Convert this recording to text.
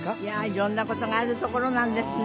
色んなことがあるところなんですね